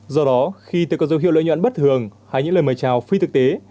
do đó khi từ các dấu hiệu lợi nhuận bất thường hay những lời mời trào phi thực tế